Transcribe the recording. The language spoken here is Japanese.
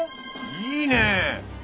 いいね。